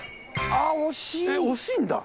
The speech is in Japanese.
惜しいんだ。